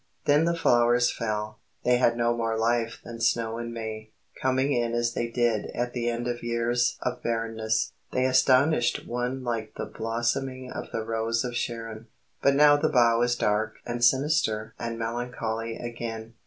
Then the flowers fell. They had no more life than snow in May. Coming as they did at the end of years of barrenness, they astonished one like the blossoming of the Rose of Sharon. But now the bough is dark and sinister and melancholy again.